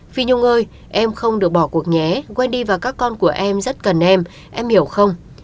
phi nhung ơi em không được bỏ cuộc nhé wendy và các con của em rất cần em em hiểu không